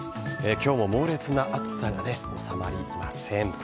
今日も猛烈な暑さが収まりません。